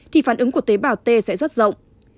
thì phản ứng của tế bào t sẽ rất rộng